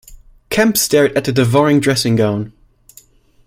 Kemp stared at the devouring dressing gown.